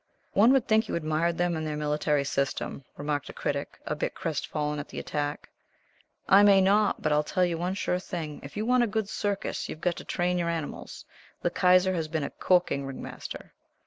"One would think you admired them and their military system," remarked the Critic, a bit crest fallen at the attack. "I may not, but I'll tell you one sure thing if you want a good circus you've got to train your animals. The Kaiser has been a corking ringmaster."